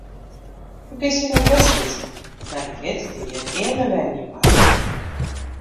Ik bin syn adres kwyt, mar ik wit dat er hjirearne wenje moat.